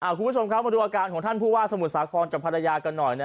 คุณผู้ชมครับมาดูอาการของท่านผู้ว่าสมุทรสาครกับภรรยากันหน่อย